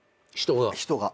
人が？